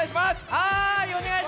はい！